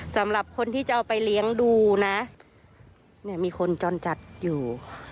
สำหรับคนที่จะเอาไปเลี้ยงดูนะเนี่ยมีคนจรจัดอยู่